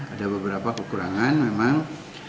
ada beberapa kekurangan memang